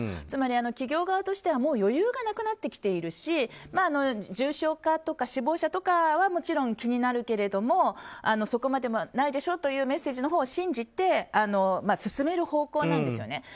つまり、企業側としては余裕がなくなってきているし重症者とか死亡者とかはもちろん気になるけれどもそこまででもないでしょっていうメッセージのほうを信じて、進める方向なんですよね。